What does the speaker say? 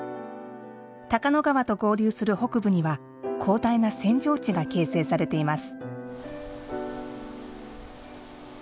高野川と合流する北部には広大な扇状地が形成されています。